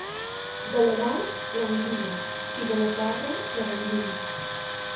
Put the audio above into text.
De la mar, l'anguila i, de la terra, la gallina.